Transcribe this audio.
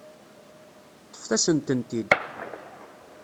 Ṭṭfet-asen-tent-id.